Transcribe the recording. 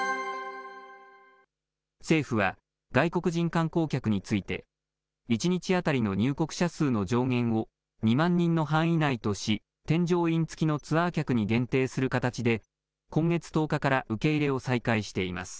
政府は、外国人観光客について、１日当たりの入国者数の上限を２万人の範囲内とし、添乗員付きのツアー客に限定する形で、今月１０日から受け入れを再開しています。